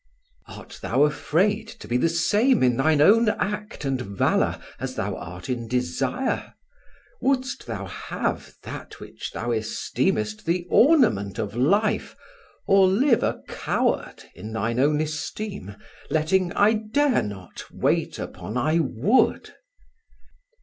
Art thou afraid To be the same in thine own act and valour As thou art in desire? would'st thou have that Which thou esteemest the ornament of life. Or live a coward in thine own esteem. Letting I dare not wait upon I would?